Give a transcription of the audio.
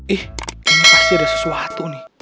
ih ini pasti ada sesuatu nih